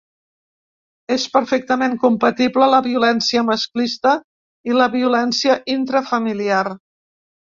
És perfectament compatible la violència masclista i la violència intrafamiliar.